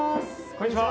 こんにちは。